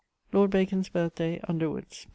Lord Bacon's birth day: Underwoods, p.